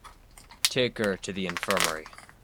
Take her to the infirmary.